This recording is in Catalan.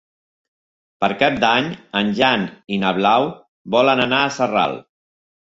Per Cap d'Any en Jan i na Blau volen anar a Sarral.